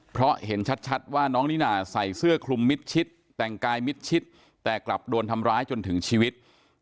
เพราะเห็นชัดว่าน้องนิน่าใส่เสื้อคลุมมิดชิดแต่งกายมิดชิดแต่กลับโดนทำร้ายจนถึงชีวิต